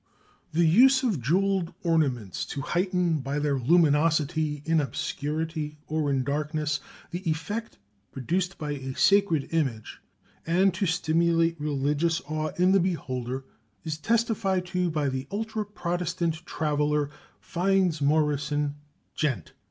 The use of jewelled ornaments to heighten by their luminosity in obscurity or in darkness the effect produced by a sacred image, and to stimulate religious awe in the beholder, is testified to by the ultra Protestant traveller, Fynes Moryson, Gent.